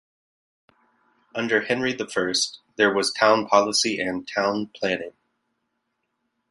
Under Henry the First, there was town policy and town planning.